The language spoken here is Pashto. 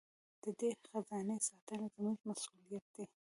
د دې خزانې ساتنه زموږ مسوولیت دی.